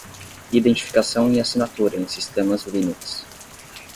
Identificação e assinatura em sistemas Linux.